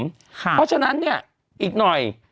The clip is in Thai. เพราะฉะนั้นเนี่ยอีกหน่อย